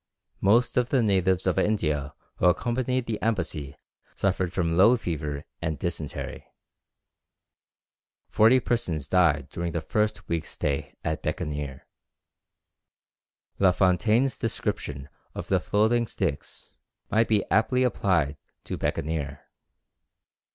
Most of the natives of India who accompanied the embassy suffered from low fever and dysentery. Forty persons died during the first week's stay at Bekaneer. La Fontaine's description of the floating sticks might be aptly applied to Bekaneer.